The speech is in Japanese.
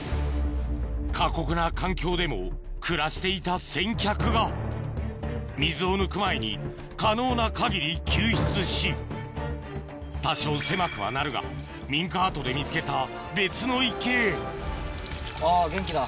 過酷な環境でも暮らしていた先客が水を抜く前に可能な限り救出し多少狭くはなるが民家跡で見つけた別の池へあぁ元気だ。